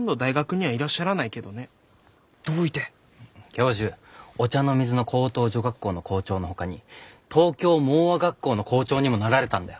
教授御茶ノ水の高等女学校の校長のほかに東京盲唖学校の校長にもなられたんだよ。